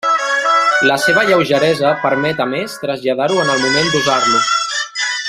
La seva lleugeresa permet a més traslladar-ho en el moment d'usar-lo.